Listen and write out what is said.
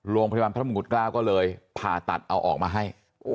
โรงพยาบาลพระมงกุฎเกล้าก็เลยผ่าตัดเอาออกมาให้